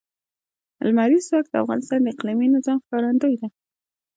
لمریز ځواک د افغانستان د اقلیمي نظام ښکارندوی ده.